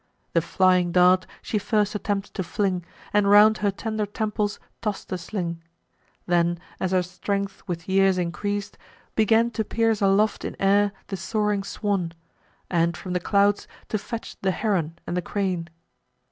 The flying dart she first attempts to fling, And round her tender temples toss'd the sling; Then, as her strength with years increas'd, began To pierce aloft in air the soaring swan, And from the clouds to fetch the heron and the crane.